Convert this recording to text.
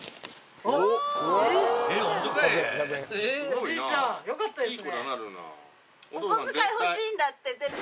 おじいちゃんよかったですね。